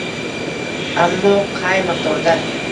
Ammo qay miqdorda?